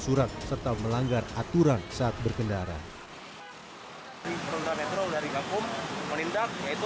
surat serta melanggar aturan saat berkendara di perusahaan metro dari kakum menindak yaitu